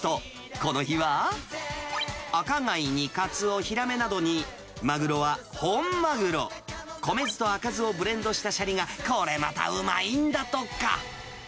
この日は、アカガイにカツオ、ヒラメなどにマグロは本マグロ、米酢と赤酢をブレンドしたシャリが、これまたうまいんだとか。